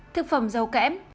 thực phẩm dầu kẽm